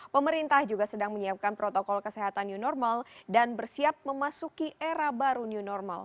pemerintah juga sedang menyiapkan protokol kesehatan new normal dan bersiap memasuki era baru new normal